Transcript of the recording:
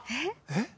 えっ？